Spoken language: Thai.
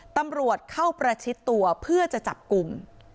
ตำรวจเข้าประชิดตัวเพื่อจะจับกลุ่ม